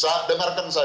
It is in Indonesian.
saat dengarkan saya